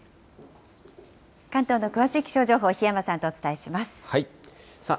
関東の詳しい気象情報、檜山さんとお伝えします。